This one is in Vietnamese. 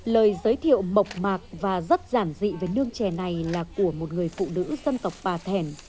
lời giới thiệu mộc mạc và rất giản dị về nương chè này là của một người phụ nữ dân tộc bà thẻn